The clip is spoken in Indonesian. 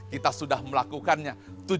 kita sudah melakukannya